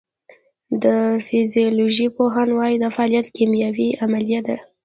د فزیولوژۍ پوهان وایی دا فعالیت کیمیاوي عملیه ده